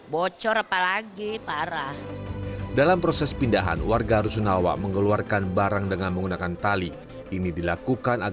bocor apalagi parah dalam proses pindahan warga rusunawa mengeluarkan barang dengan menggunakan